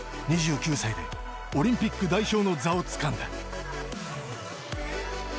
２９歳でオリンピック代表の座をつかんだ。